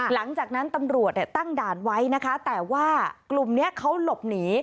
หลังจากนั้นตำรวจตั้งด่านไว้นะคะแต่ว่ากลุ่มนี้เขาหลบหนี